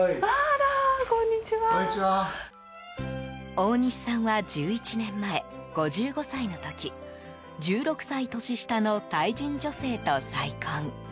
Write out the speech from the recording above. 大西さんは１１年前５５歳の時１６歳年下のタイ人女性と再婚。